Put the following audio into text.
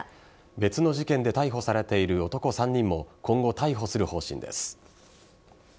別の事件で逮捕されている男３人も今後、逮捕する方針です。